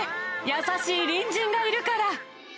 優しい隣人がいるから。